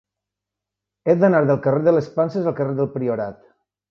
He d'anar del carrer de les Panses al carrer del Priorat.